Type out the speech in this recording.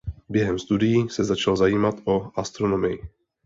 Během studií se začal zajímat o astronomii.